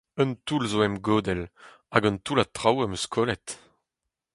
Un toull zo em godell, hag un toullad traoù am eus kollet.